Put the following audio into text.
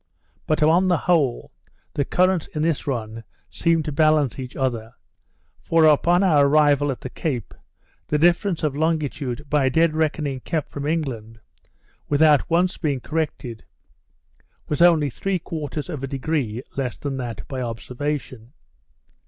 But, upon the whole, the currents in this run seemed to balance each other; for upon our arrival at the Cape, the difference of longitude by dead reckoning kept from England, without once being corrected, was only three quarters of a degree less than that by observation.